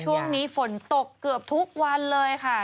ช่วงนี้ฝนตกเกือบทุกวันเลยค่ะ